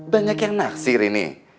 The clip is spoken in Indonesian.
banyak yang naksir ini